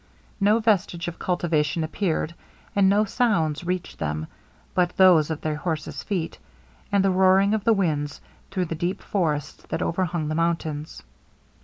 No vestige of cultivation appeared, and no sounds reached them but those of their horses feet, and the roaring of the winds through the deep forests that overhung the mountains.